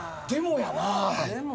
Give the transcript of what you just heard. でもやな？